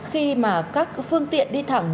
khi mà các phương tiện đi thẳng